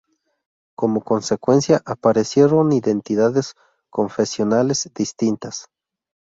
Como consecuencia, aparecieron identidades confesionales distintas.